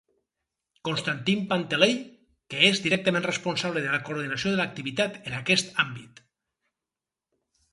Constantin Panteley, que és directament responsable de la coordinació de l'activitat en aquest àmbit.